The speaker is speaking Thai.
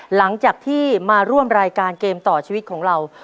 หลังจากที่มาร่วมรายการเกมต่อชีวิตของเรา